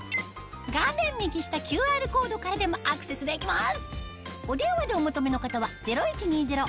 画面右下ＱＲコードからでもアクセスできます